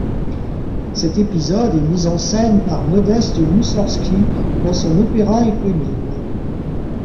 Cet épisode est mis en en scène par Modeste Moussorgski dans son opéra éponyme.